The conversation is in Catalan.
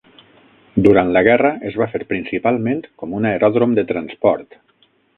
Durant la guerra es va fer principalment com un aeròdrom de transport.